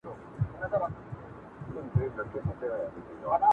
ياقوت او برخوردار به کله ناکله کټ ته نږدې سول